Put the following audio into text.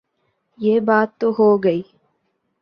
یہ بات تو ہو گئی۔